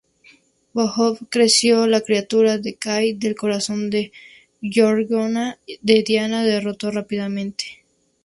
Phobos creó la criatura Decay del "corazón de la Gorgona", que Diana derroto rápidamente.